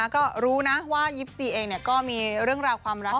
ก็รู้นะว่ายิปซีเองเนี่ยก็มีเรื่องราวความรักแบบนี้